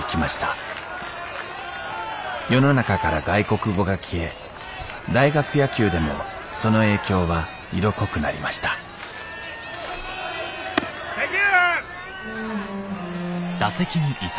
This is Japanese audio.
世の中から外国語が消え大学野球でもその影響は色濃くなりました正球！